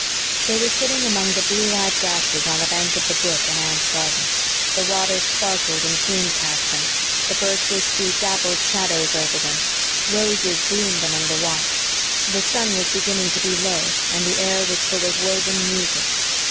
They were sitting among the blue eyed grasses on the bank of the brook in Anne's garden. The water sparkled and crooned past them; the birches threw dappled shadows over them; roses bloomed along the walks. The sun was beginning to be low, and the air was full of woven music.